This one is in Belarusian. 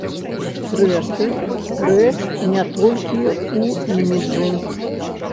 Зрэшты, рэч не толькі ў іміджы.